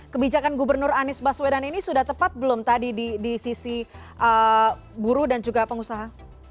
kebijakan gubernur anies baswedan ini sudah tepat belum tadi di sisi buruh dan juga pengusaha